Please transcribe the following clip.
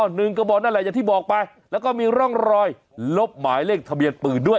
หนึ่งกระบอกนั่นแหละอย่างที่บอกไปแล้วก็มีร่องรอยลบหมายเลขทะเบียนปืนด้วย